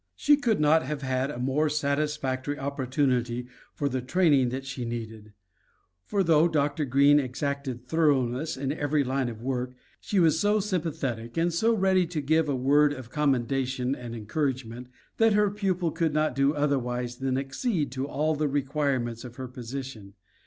She could not have had a more satisfactory opportunity for the training that she needed; for though Dr. Greene exacted thoroughness in every line of work, she was so sympathetic and so ready to give a word of commendation and encouragement, that her pupil could not do otherwise than accede to all the requirements of her position.